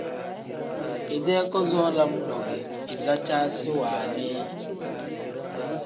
Idee kazoo lam-ro ge izicaasi wannii yi.